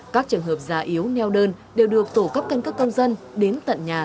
các trường hợp già yếu neo đơn đều được tổ cấp căn cước công dân đến tận nhà